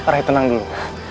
rai tenang dulu